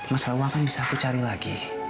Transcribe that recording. masalah uang kan bisa aku cari lagi